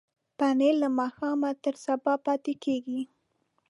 پنېر له ماښامه تر سبا پاتې کېږي.